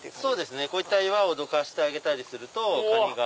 こういった岩をどかしてあげるとカニが。